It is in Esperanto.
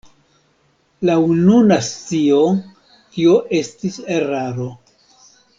Laŭ nuna scio tio estis eraro.